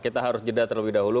kita harus jeda terlebih dahulu